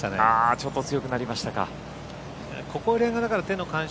ちょっと強くなりましたか。